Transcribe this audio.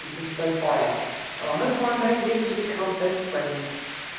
Miss Sophia, and I hope we may live to be come better friends.